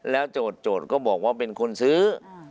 โจทย์ก็บอกว่าเป็นคนซื้อ